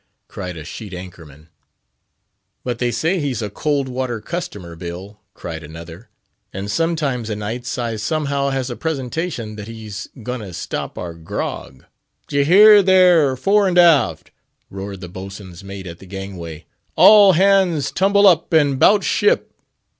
cried a sheet anchor man. "But they say he's a cold water customer, Bill," cried another; "and sometimes o' nights I somehow has a presentation that he's goin' to stop our grog." "D'ye hear there, fore and aft!" roared the boatswain's mate at the gangway, "all hands tumble up, and 'bout ship!"